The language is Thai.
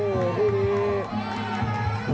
โอ้ชิคกี้พี